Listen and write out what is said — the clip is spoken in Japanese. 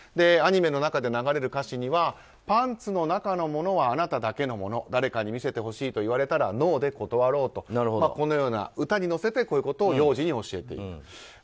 アニメの中で流れる歌詞にはパンツの中のものはあなただけのもの誰かに見せてほしいと言われたらノーで断ろうという歌にのせてこういうことを幼児に教えている。